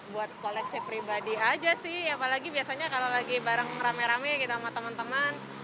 buat koleksi pribadi aja sih apalagi biasanya kalau lagi bareng rame rame kita sama teman teman